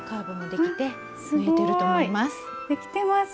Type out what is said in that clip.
できてます。